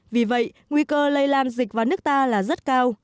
vì vậy nguy cơ lây lan dịch vào nước ta là rất cao